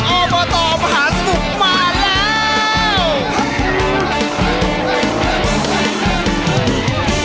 ออกมาต่อมาหาสนุกมาแล้ว